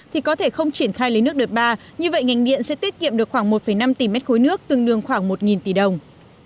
thì có thể không triển khai lấy nước đợt ba như vậy ngành điện sẽ tiết kiệm được khoảng một năm tỷ mét khối nước tương đương khoảng một tỷ đồng